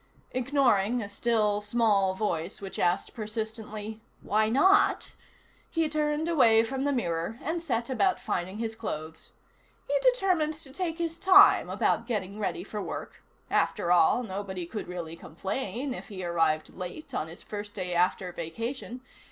Ignoring a still, small voice which asked persistently: "Why not?" he turned away from the mirror and set about finding his clothes. He determined to take his time about getting ready for work: after all, nobody could really complain if he arrived late on his first day after vacation.